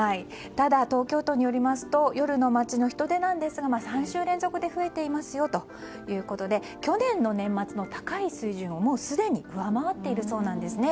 ただ、東京都によりますと夜の街の人出ですが３週連続で増えていますということで去年の年末の高い水準をすでに上回っているそうです。